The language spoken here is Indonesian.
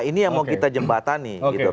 ini yang mau kita jembatani